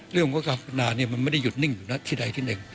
เรื่องของการพัฒนามันไม่ได้หยุดนิ่งอยู่นะที่ใดที่หนึ่ง